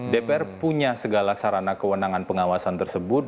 dpr punya segala sarana kewenangan pengawasan tersebut